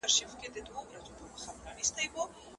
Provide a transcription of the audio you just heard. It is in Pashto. هره ورځ به یې تازه وه مجلسونه